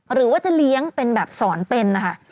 หรือว่าจะเลี้ยงเป็นแบบสอนเป็นนะคะ